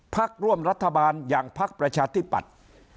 พักร่วมรัฐบาลอย่างพักประชาธิปัตย์